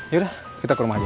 yaudah kita ke rumah aja